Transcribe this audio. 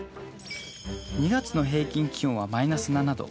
２月の平均気温はマイナス７℃。